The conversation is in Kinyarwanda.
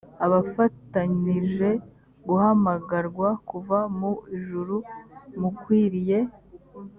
abafatanije guhamagarwa kuva mu ijuru mukwiriye